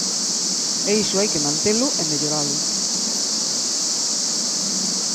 E iso hai que mantelo e melloralo.